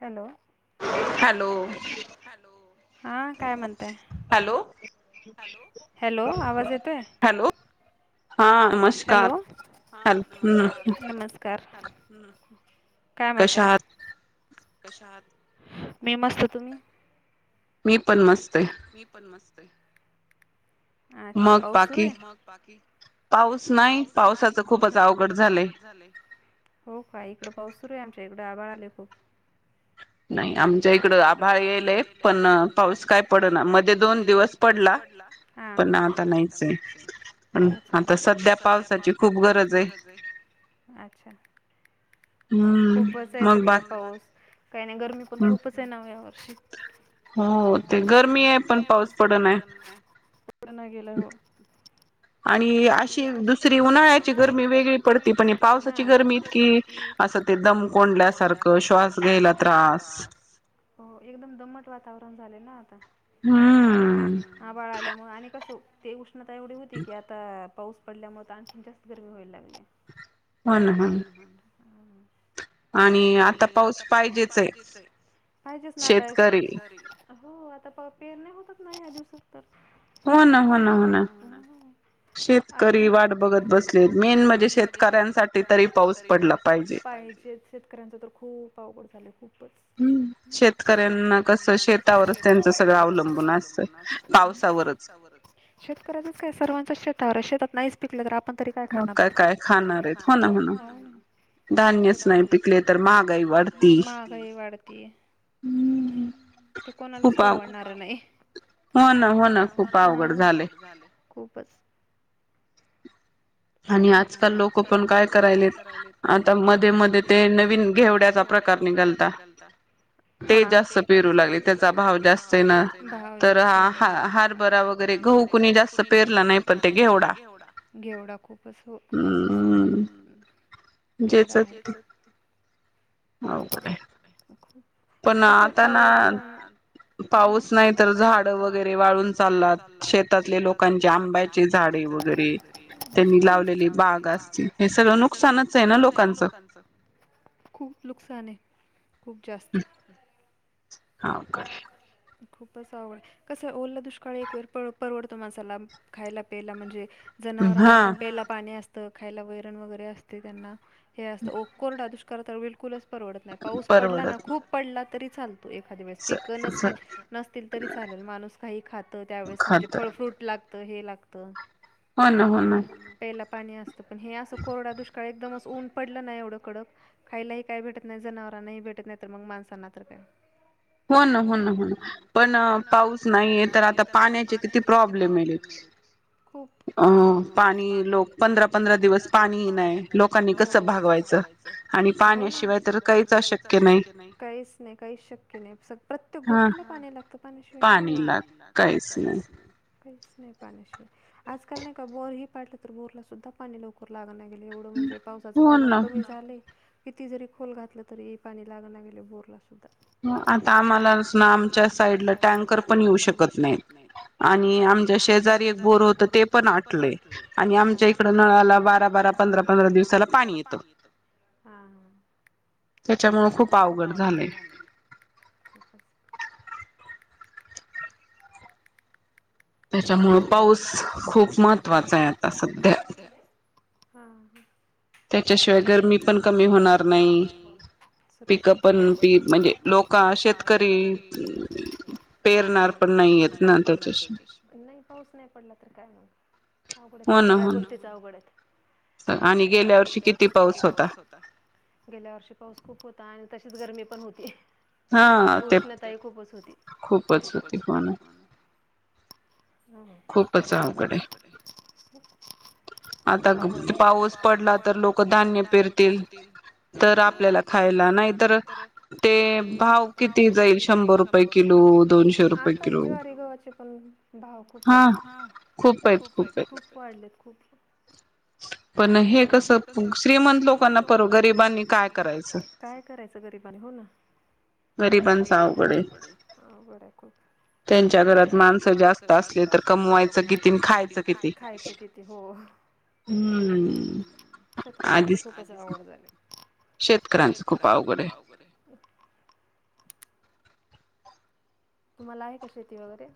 Hello hello, hello, हा काय म्हणताय.? हॅलो! हॅलो, हॅलो आवाज येतोय? हॅलो, हॅलो हॅलो, हा नमस्कार नमस्कार हा ह, काय म्हणताय? अशा आहात? मी मस्त तुम्ही मी पण मस्त. मी पण मस्त आहे. अच्छा पाऊस सुरू आहे. मग बाकी पाऊस पाऊस नाही, पावसाचं खूपच अवघड झालय. हो का, इकडं पाऊस सुरू आहे आमच्या इकडे, आभाळ आले खूप नाही आमच्या इकडं आभाळ येयलय. पण पाऊस काय पडना, मध्ये दोन दिवस पडला. हा हा, पणा आता नाहीच आहे. हं आताच आता सध्या पावसाची खूप गरजय, अच्छा. खूपच आहे सध्या पाऊस, काही नाही गरमी पण खूपच आहे ना या वर्षी, हो ते गरमी आहे. पण पाऊस पड नाही. प्रणय गेला हो आणि अशी दुसरी उन्हाळ्याची गरमी वेगळी पडती, पण हे पावसाची गरमी इतकी असं ते दम कोंडल्यासारखं, श्वास घ्यायला त्रास. हो, एकदम दमट वातावरण झालय ना आता. ह.. आभाळ आल्यामुळं आणि कसं ते उष्णता एवढी होती की, आ अ पाऊस पडल्यामुळं तर आणखीन जास्त गरमी व्हायला लागली, हो ना. आणि आता पाऊस पाहिजेच आहे, पाहिजेच ना आता, शेतकरी हो आता प पेरणं होतात ना, या दिवसात तर हो ना हो ना हो ना शेतकरी वाट बघत बसलेत, मेन म्हणजे शेतकऱ्यांसाठी तरी पाऊस पडला पाहिजे. पाहिजेच. शेतकऱ्यांच तर खूप अवघड झाले खूपच. हम्म, शेतकऱ्यांना कसं शेतावरच त्यांच सगळं अवलंबून असतं, पावसावरच. शेतकऱ्यांच काय सर्वांच शेतावर आहे, शेतात नाहीच पिकलं तर आपण तरी काय खाणार होत. मग काय काय खाणार येत. जर धान्यच नाही पिकले तर महागाई महागाई वाढतीय. ते कोणालाच परवडणारं नाही. हो ना, हो ना, खूप अवघड झालेय. खूपच आणि आजकाल लोक पण काय करायलेत, आता मध्ये मध्ये ते नवीन घेवड्याचा प्रकार निघालता. हा, ते जास्त पेरू लागलेत. त्याचा भाव जास्त ना, भाव जास्त तर हा हा हा, परा वगैरे, गहू कुणी जास्त पेरला नाही. पण ते घेवडा घेवडा खूपच हो, [unintelligible] हम, तिकडं आहेच. [unintelligible] [inaudible] पण आता ना, पाऊस नाही. तर झाड वगैरे वाळून चाललात शेतातले लोकांचे आंब्याचे झाडे वगैरे त्यांनी लावलेले बाग असतील, हे सगळं नुकसानच आहे ना लोकाचं. नुकसान आहे. खूप जास्त हा, कधी खूपच आवड कसं, ओल दुष्काळ एक वेळ पर परवडतो माणसाला. खायला प्यायला म्हणजे जनावरांना पण प्यायला पाणी असतं खायला वैरण वगैरे असते. त्यांना हे असतं ओ कोरडा दुष्काळ तर बिलकुलच परवडत नाही. पाऊस पडला ना खूप पडला तरी चालतो. एखाद्या वेळेस पिकं नसतील नसतील तरी चालेल, माणूस काही खातं त्यावेळेस म्हणजे फळफ्रूटला त हे, लागत हो ना, हो ना, प्यायला पाणी असत पण हे असं कोरडा दुष्काळ काय एकदम असं ऊन पडलं नाही. एवढं कडक खायला ही काय भेटत नाही. जनावरांना ही काही भेटत नाही तर, मग माणसांना तर काय. हो ना हो ना हो ना पण, पाऊस नाही आहे. तर आता पाण्याचे किती प्रॉब्लेम येलेत. अ, पाणी लोक पंधरा -पंधरा दिवस पाणी ही नाही. लोकांनी कसं भागवायचं. भागवायचं. आणि पाण्याशिवाय तर काहीच अशक्य नाही. काहीच नाही, काहीच शक्य नाही, स प्रत्येक गोष्टीला पाणी लागत. आता पाण्याशिवाय काय आहे. पाणी लागतच. काहीच नाही. पाण्याशिवाय आजकाल नाही का बोर ही पाडलं तर बोरलास सुद्धा पाणी लवकर लागना गेले, एवढं म्हणजे पावसाचं प्रमाण होय ना, कमी झाले. किती जरी खोल घातलं तरी, पाणी लागण नाय गेल, बोरलासुद्धा हा आता इथं आम्हालाच ना, आमच्या साईटला टँकर पण येऊ शकत नाही. आणि आमच्या शेजारी बो होत, ते पण आटलय आणि आमच्या इकड नळाला बारा -बारा, पंधरा -पंधरा दिवसाला पाणी येतं. हा हा, त्याच्यामुळे खूप अवघड झालय. [unintelligible] त्याच्यामुळं पाऊस खूप महत्वाचा आहे. आता सध्या हा हा हा, त्याच्याशिवाय गरमी पण कमी होणार नाही. पिकं पण, पी म्हणजे लोका शेतकरी पेरणार पण नाही येत ना, त्याच्याशी नाही पाऊस नाही पडला तर काय मग अवघडच आहे. होय ना, सगळ्या गोष्टीच अवघड आहेत. आणि गेल्या वर्षी किती पाऊस होता. गेल्या वर्षी पाऊस खूप होता, आणि तशीच गरमी पण होती. हा, उष्णता ही खूपच होती, खूपच होती. हो, खूपच आवघड हाय. आता पाऊस पडला तर लोक धान्य पेरतील. तर आपल्याला खायला, नाहीतर ते भाव किती जाईल शंभरुप शंभर रुपये किलो, दोनशे रुपय किलो, आजच ज्वारी, गवाचे पण भाव खूप आहेत, हा खूप आहेत, खूप वाढलेत खूप. पण हे कस, श्रीमंत लोकांना पर गरिबांनी काय करायचं? काय करायचं, गरिबांने हो ना, गरीबांच अवघड हाय, अवघड आहे खूप. त्येच्या घरात माणसं जास्त असले तर कमवायचं किती आणि खायचं किती? यच, किती हो. हम, शेतकऱ्याच तर खूपच अवघड झालय. शेतकऱ्यांच खूप अवघड हाय. बरं हाय? तुम्हाला आहे का शेती वगैरे?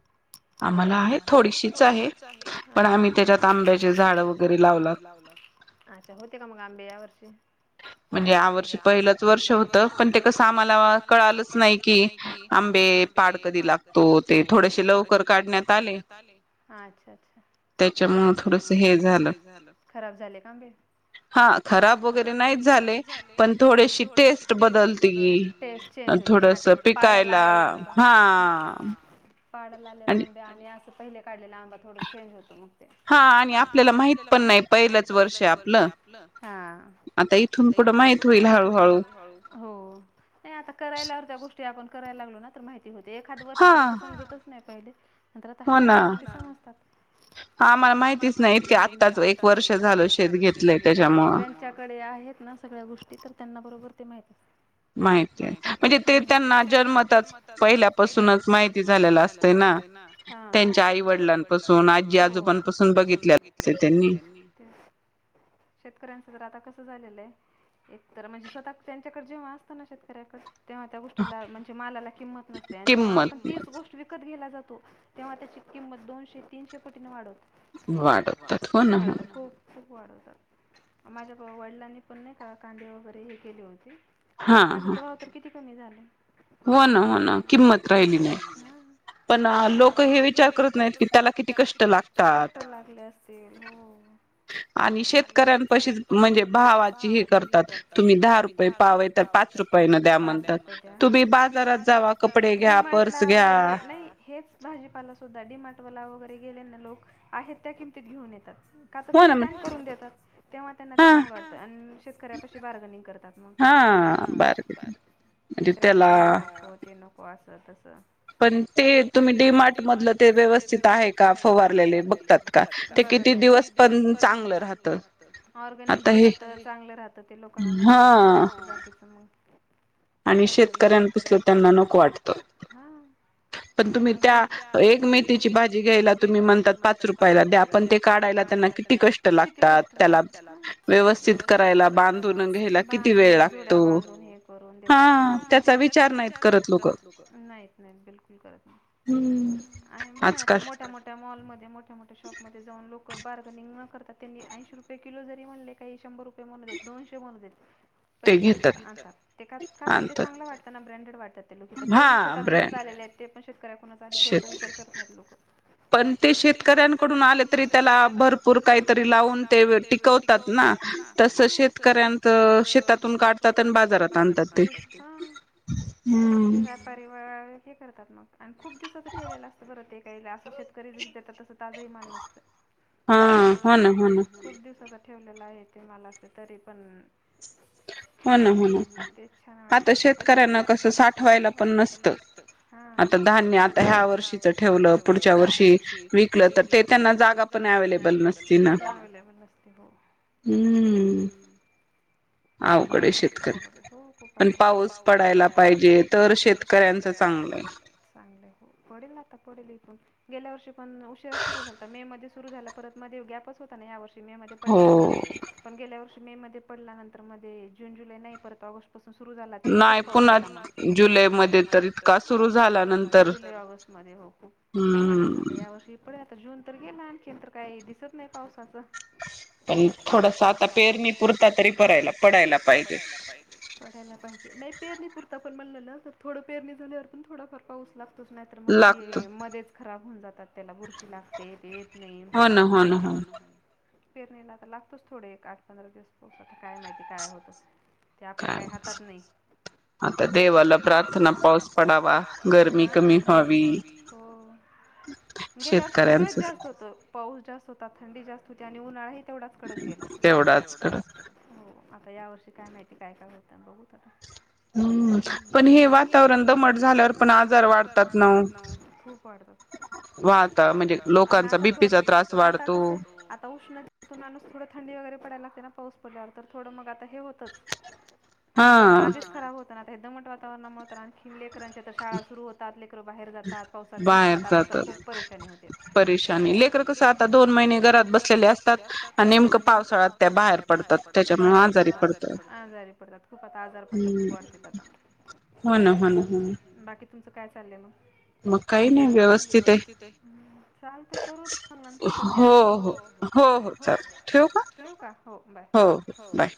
आम्हाला आहे थोडीशीच आहे, पण आम्ही त्याच्यात आंब्याचे झाड वगैरे लावलंत अच्छा होते का मग आंबे या वर्षी? म्हणजे आ वर्षी पहिलंच वर्ष होतं, पण ते कसं आम्हाला कळालंच नाही की आंबे? पाड कधी लागतो, ते थोडेसे लवकर काढण्यात ण्यात आले. अच्छा, अच्छा त्याच्यामुळ थोडस हे झालं, खराब झाले का आबे? हा खराब वगैरे नाही नाहीत झाले, पण थोडीशी टेस्ट बदलती. टेस्ट चेंज होते हा ते पाडाला आलेला आंबा, हा पाढाला लालेला आंबे आणि असं, पहिले काढलेला आंबा चेन्ज होत मग ते, हा आपल्याला माहित पण नाही पहिलंच वर्ष आपलं. हा आता इथून पुढं माहीत होईल हळूहळू. हो, नाही आता करायला आल्यावर त्या गोष्टी आपण करायला लागलो ना, तर माहिती होते, एखाद वर्ष तरी कि समजतच नाही पहिले, नंतर आता हळूहळू गोष्टी समजतात. आम्हाला माहितीच नाही, की आत्ताच एक वर्ष झालं शेत घेतलंय. ज्याच्याकडे आहेत ना सगळ्या गोष्टी तर त्यांना बरोबर ते माहित असतं. माहिती हाय, म्हणजे ते त्यांना जन्मताच पहिल्यापासूनच माहिती झालेल असतय ना. हा, त्यांच्या आई वडिलांपासून, आजी आजोबांपासून, बघितल्या असतय त्यांनी. होय शेतकऱ्यांचं तर आता कसं झालेलं हाय एक तर, म्हणजे स्वतः त्यांच्याकड जेव्हा असतं ना शेतकऱ्याकड तेव्हा त्या गोष्टीला म्हणजे मालाला किंमत नसते, आणि जेव्हा आपण तीच गोष्ट विकत घ्यायला जातो तेव्हा त्याची किंमत दोनशे -तीनशे पटीने वाढवतात. वाढवतात हो ना. खूप वाढवतात, माझ्या वडिलांनी पण नाही का कांदे वगैरे हे केले होते आता कांद्याचा भाव किती कमी झालय. हो ना, हो ना किंमत राहिली नाही. पण, लोक हे विचार करत नाहीत की, त्याला किती कष्ट लागतात. आणि शेतकऱ्यांपशीच म्हणजे भावाची हे करतात, तुम्ही दहा रुपये भाव तर पाच रुपये न द्या म्हणतात. तुम्ही बाजारात जावा कपडे घ्या डी मार्ट ला वगैरे नाही हेच भाजीपालासुद्धा डि माट ला वगैरे गेलेना लोक आहेत त्या किमतीत घेऊन येतात का तर ते स्कॅन करून देतात तेव्हा त्यांना ते चांगलं वाटतं आणि शेतकऱ्यापाशी बार्गनिंग करतात मग हा बर छत्र्यापशी हे नको ते नको असं तस पण ते तुम्ही डीमार्ट मधल ते व्यवस्थित आहे का फवारलेले बघतात का ते किती दिवस पण चांगलं राहत ऑर्गनिक जी राहत चांगलं राहत ते लोकांना नको वाटत हा आणि शेतकऱ्यानंपासल त्यांना नको वाटत हा पण तुम्ही त्या एक मेथीची भाजी घ्यायला तुम्ही म्हणतात पाच रुपयाला द्या पण ते पण ते काढायला त्यांना किती कष्ट लागतात त्याला व्यवस्थित करायला बांधून हा हो जुड्या बांधून हे करून देतात ती लोक त्याचा विचार नाहीत करत लोक नाहीत नाहीत बिलकुल नाही करत आहे बघा ना तुम्ही मोठ्या, मोठ्या मॉल मध्ये मोठ्या, मोठ्या शॉप मध्ये जाऊन लोक बार्गनिंग न करता त्यांनी ऐशी रुपये किलो जरी म्हणले काही शंभर रुपये म्हणू देत दोनशे म्हणू देत पैसे देतात आणतात ते का तर ते चांगले वाटतात ना ब्रँडेड वाटत पण ते ही शेतातूनच आलेले आहेत ते पण शेतकऱ्याकूनच आलेले विचार करत नाहीत लोक पण ते शेतकऱ्यांकडून आले तरी त्याला भरपूर काहीतरी लावून ते टिकवतात ना तस शेतकऱ्यांच शेतातून काढतात आणि बाजारात आणतात ते हम्म परीवाळ, हे करतात मग आणि खूप दिवसाचं ठेवलेलं असतं बरं ते काही असं श तरी तस ताज ही माल नसतं खूप दिवसाच ठेवलेलं आहे ते मलाच तरी पण हो ना, हो ना तेच छान वाटत लोकांना आता शेतकऱ्यांना कसं साठवायला पण नसत धान्य आता ह्या वर्षीच ठेवलं पुढच्या वर्षी विकलं तर ते त्यांना जागा जागा पण अवेलेबल नसती अवलेबल नसते हो हम्म [unintelligible] अवघड आहे शेतकरी हो खूप अवघड आहे आणि पाऊस पडायला पाहिजे तर शेतकऱ्यांच चांगलंय चांगलय हो पडील आता पडील इथुन गेल्या वर्षी पण उशिरा सुरू झालता मे मध्ये सुरू झाला परत मध्ये गॅपच होता ना या वर्षी मे मध्ये पडला नाही पण गेल्या वर्षी मे मध्ये पडला नंतर मग जून, जुलै नाही परत ऑगस्ट तस सुरू झाला खूप च पाऊस होता मग नाही पुन्हा जुलै मध्ये तरी इतका सुरू झाला झाला ना नंतर जुलै ऑगस्ट मध्ये हो खूप पण आता ह्या वर्षी पुढे आता जून तर गेला आणखीन तर काय दिसत नाय पावसाचं पण थोडसं आता पेरणी पुरता तरी परायला पडायला पाहिजे पायजे पडायला पाहिजे नाही पेरणी पुरता पण म्हणलं ना तर थोडं पेरणी झाल्यावर पण थोडा फार पाऊस लागतोच नाही तर मग बी मध्येच खराब होऊन जातात त्याला बुरशी लागते येत नाही होना, होना, होना पेरणीला तर लागतोच थोडे एक आठ पंधरा दिवस पाऊस आता काय माहिती काय होतस ते आपल्या काही हातात नाही आता देवाला प्रार्थना पाऊस पडावा हा हेच हो, गेल्या वर्षी सगळच जास्त होत पाऊस जास्त होता, थंडी जास्त होती आणि उन्हाळाही तेवढाच कडक गेला तेवढाच कडक हो आता या वर्षी काय माहिती काय, काय होत बघूत आता हम्म पण हे वातावरण दमट झाल्यावर पण आज पण आजार वाढतात ना ओ खूप वाढतात आन आता तर, आता कसं, आता उष्ण तून माणूस थोडं थंडी वगैरे पडायला लागते ना, पाऊस पडल्यावर, तर थोडं मग आता हे होतंच. वातावरण आधीच खराब होतं ना, त्या आता दमट वातावरणामुळे तर आणखीन, लेकरांच्या तर शाळा तात, लेकर बाहेर जातात, पावसात भिजतात, आता तर खूप परेशानी होते. आणि लेकर कस, आता दोन महिने घरात बसलेले असतात, आणि नेमकं पावसाळ्यात त्या बाहेर पडतात. बाहेर पडतात, आजारी पडतात, खूप आजार पण तर खूप वाढतेत आता. हो ना, हो ना, हो. तुमचं काय चाललंय मग? मग काही नाही, व्यवस्थित ये, चालतय, करू नंतर, नंतर करते आणखीन, हो. हो हो, चालतय, ठेवू का? हो हो, बाय.